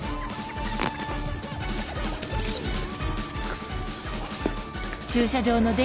クソ！